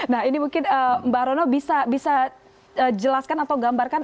nah ini mungkin mbak rono bisa jelaskan atau gambarkan